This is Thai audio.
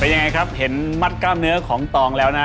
ยังไงครับเห็นมัดกล้ามเนื้อของตองแล้วนะ